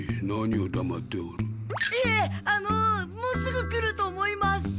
あのもうすぐ来ると思います。